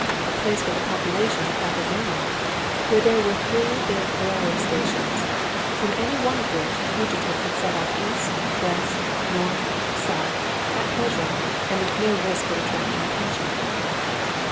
a place with a population of half a million, where there were three big railway stations, from any one of which a fugitive could set off east, west, north, south, at pleasure, and with no risk of attracting attention.